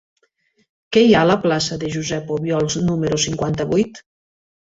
Què hi ha a la plaça de Josep Obiols número cinquanta-vuit?